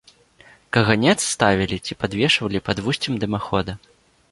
Каганец ставілі ці падвешвалі пад вусцем дымахода.